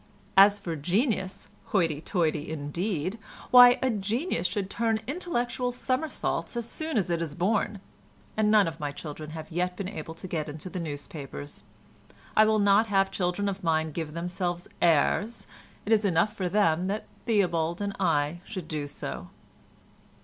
As for genius—hoity toity, indeed—why, a genius should turn intellectual summersaults as soon as it is born, and none of my children have yet been able to get into the newspapers. I will not have children of mine give themselves airs—it is enough for them that Theobald and I should do so."